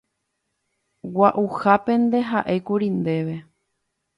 Gua'uhápente ha'ékuri ndéve.